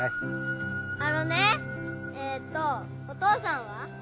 あのねえっとお父さんは？